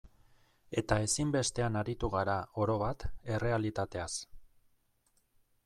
Eta ezinbestean aritu gara, orobat, errealitateaz.